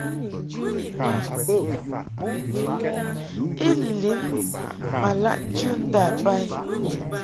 I lin ma laʼ njɨ nda ba i.